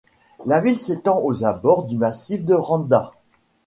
La ville s'étend aux abords du massif de Randa.